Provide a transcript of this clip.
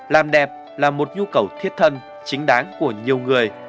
làm đẹp là một nhu cầu thiết thân chính đáng của chúng ta